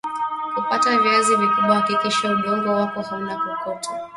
kupata viazi vikubwa hakikisha udongo wako hauna kokoto